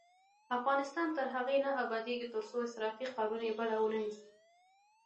افغانستان تر هغو نه ابادیږي، ترڅو صرافي قانوني بڼه ونه نیسي.